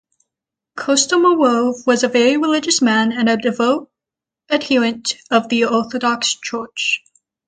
Kostomarov was a very religious man and a devout adherent of the Orthodox Church.